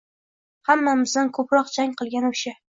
Hammamizdan ko’proq «jang» qilgan o’sha